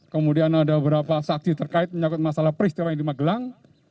kemudian ada beberapa saksi terkait menyakut masalah peristiwa yang di magelang